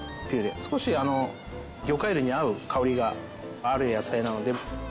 少し魚介類に合う香りがある野菜なので。